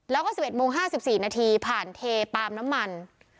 แล้วก็๑๑โมง๕๔นาทีผ่านเทปาล์มน้ำมัน